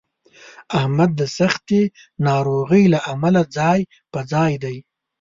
احمد د سختې ناروغۍ له امله ځای په ځای دی.